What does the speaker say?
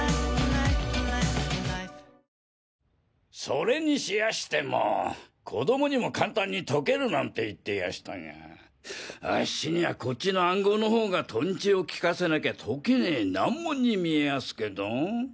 それにしやしても子供にも簡単に解けるなんて言ってやしたがアッシにゃこっちの暗号のほうがトンチをきかせなきゃ解けねえ難問に見えやすけど？